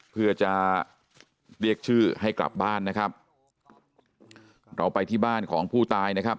เพื่อจะเรียกชื่อให้กลับบ้านนะครับเราไปที่บ้านของผู้ตายนะครับ